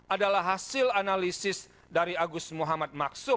adalah hasil analisis dari agus muhammad